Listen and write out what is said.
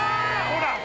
ほら！